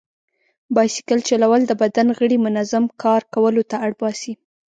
بایسکل چلول د بدن غړي منظم کار کولو ته اړ باسي.